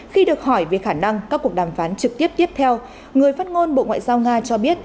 khi được hỏi về khả năng các cuộc đàm phán trực tiếp tiếp theo người phát ngôn bộ ngoại giao nga cho biết